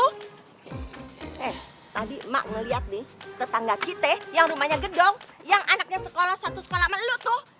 eh tadi emak ngeliat nih tetangga kita yang rumahnya gedong yang anaknya sekolah satu sekolah sama lo tuh